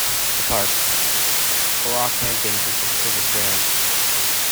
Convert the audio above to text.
The Park, Brockhampton is the cricket ground.